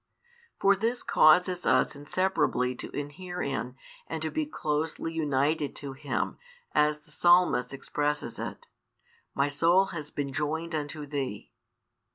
For this causes us inseparably to inhere in, and to be closely united to, Him, as the Psalmist expresses it: My soul has been joined unto Thee.